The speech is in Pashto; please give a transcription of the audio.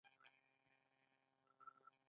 څلورم کارګر به د ستنې څوکه تېره کوله